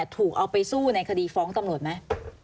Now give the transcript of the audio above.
ถูกเอาไปสู้ในคดีฟ้องตำรวจไหม